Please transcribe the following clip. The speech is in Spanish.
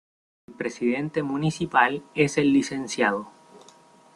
El presidente municipal es el Lic.